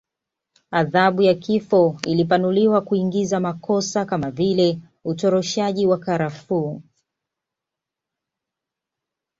Adhabu ya kifo ilipanuliwa kuingiza makosa kama vile utoroshaji wa karafuu